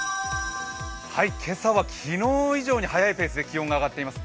今朝は昨日以上に早いペースで気温が上がっています。